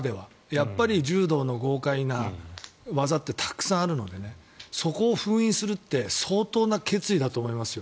やっぱり柔道の豪快な技ってたくさんあるのでそこを封印するって相当な決意だと思いますよ。